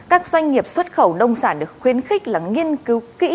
các doanh nghiệp xuất khẩu nông sản được khuyến khích là nghiên cứu kỹ